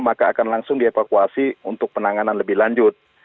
maka akan langsung dievakuasi untuk penanganan lebih lanjut